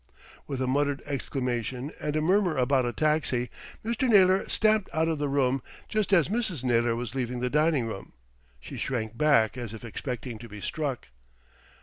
With a muttered exclamation and a murmur about a taxi, Mr. Naylor stamped out of the room, just as Mrs. Naylor was leaving the dining room. She shrank back as if expecting to be struck.